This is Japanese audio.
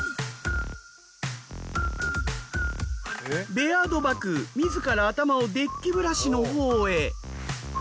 ベアードバク自ら頭をデッキブラシのほうへ。